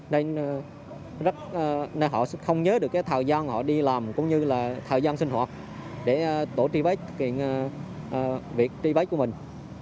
nên họ không nhớ được cái thời gian họ đi làm cũng như là thời gian sinh hoạt để tổ trì bách việc trì bách của mình